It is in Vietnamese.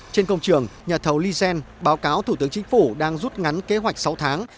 trên công trường nhà thầu lysen báo cáo thủ tướng chính phủ đang rút ngắn kế hoạch sáu tháng